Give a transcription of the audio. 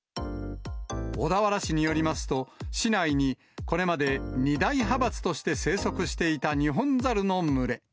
小田原市によりますと、市内に、これまで２大派閥として生息していたニホンザルの群れ。